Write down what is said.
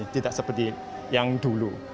tidak seperti yang dulu